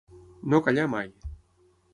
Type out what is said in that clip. No callar mai.